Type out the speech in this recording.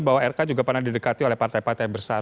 bahwa rk juga pernah didekati oleh partai partai besar